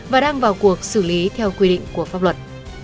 và đang vào cuộc xử lý theo quy định của pháp luật